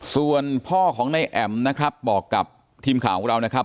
ส่วนพ่อของนายแอ๋มนะครับบอกกับทีมข่าวของเรานะครับ